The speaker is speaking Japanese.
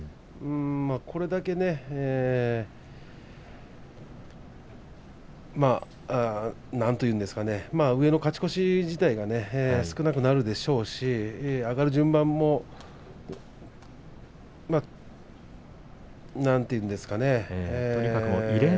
これだけね、なんて言うか上の勝ち越し自体が、少なくなるでしょうし上がる順番もなんていうんですかね。